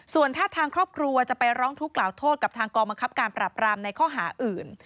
ส่วนถ้าทางครอบครัวจะไปร้องทุกข์กล่าวโทษกับทางกองบังคับการปรับรามในข้อหาอื่น